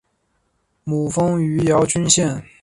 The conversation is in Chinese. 母封余姚县君。